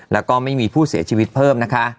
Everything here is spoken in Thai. แล้วก็ไม่มีผู้เสียชีวิตเพิ่มนะคะ